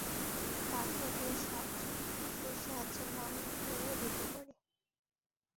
তারপর এই সাহায্য, সেই সাহায্যের নাম নিয়ে ঢুকে পড়ো।